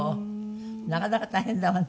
なかなか大変だわね。